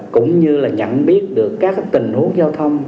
cũng như là nhận biết được các tình huống giao thông